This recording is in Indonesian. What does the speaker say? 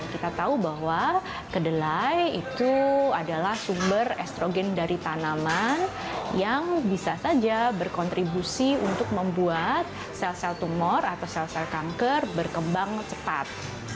kita tahu bahwa kedelai itu adalah sumber estrogen dari tanaman yang bisa saja berkontribusi untuk membuat sel sel tumor atau sel sel kanker berkembang cepat